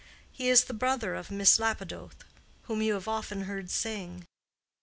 He is the brother of Miss Lapidoth, whom you have often heard sing."